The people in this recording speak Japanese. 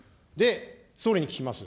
総理に聞きます。